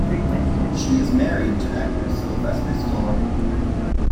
She is married to actor Sylvester Stallone.